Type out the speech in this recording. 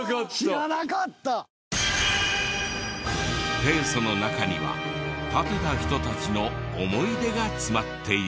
定礎の中には建てた人たちの思い出が詰まっている。